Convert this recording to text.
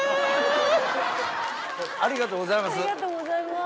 ありがとうございます。